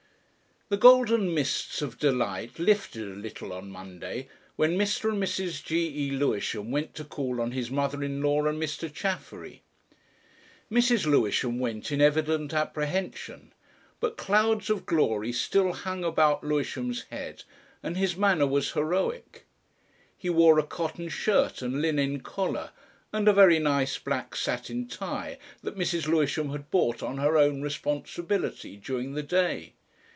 The golden mists of delight lifted a little on Monday, when Mr. and Mrs. G.E. Lewisham went to call on his mother in law and Mr. Chaffery. Mrs. Lewisham went in evident apprehension, but clouds of glory still hung about Lewisham's head, and his manner was heroic. He wore a cotton shirt and linen collar, and a very nice black satin tie that Mrs. Lewisham had bought on her own responsibility during the day.